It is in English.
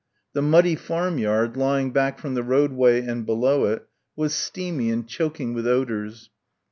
The muddy farmyard, lying back from the roadway and below it, was steamy and choking with odours.